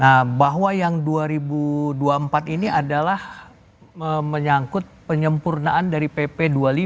nah bahwa yang dua ribu dua puluh empat ini adalah menyangkut penyempurnaan dari pp dua puluh lima